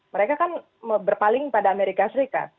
mereka kan berpaling pada amerika serikat